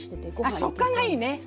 あ食感がいいね。